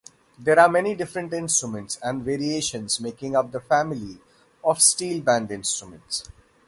There are many different instruments and variations making up the family of steelband instruments.